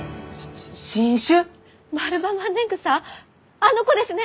あの子ですね！